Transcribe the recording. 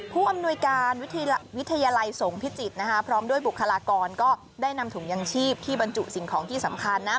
ผู้อำนวยการวิทยาลัยสงฆ์พิจิตรนะคะพร้อมด้วยบุคลากรก็ได้นำถุงยังชีพที่บรรจุสิ่งของที่สำคัญนะ